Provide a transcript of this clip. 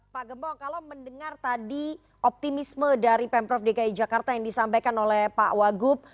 pak gembong kalau mendengar tadi optimisme dari pemprov dki jakarta yang disampaikan oleh pak wagub